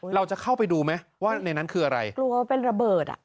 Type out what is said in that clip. เราจะเข้าไปดูไหมว่าในนั้นคืออะไรกลัวเป็นระเบิดอ่ะ